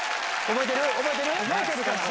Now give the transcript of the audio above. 覚えてるかな？